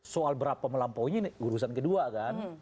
soal berapa melampauinya ini urusan kedua kan